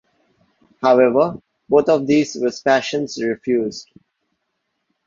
However, both of these Vespasian refused.